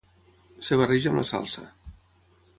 es barreja amb la salsa